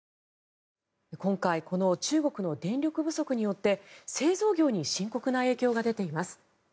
今回この中国の電力不足によって製造業に深刻な影響が出ています。